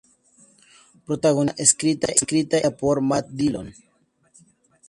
Protagonizada, escrita y dirigida por Matt Dillon.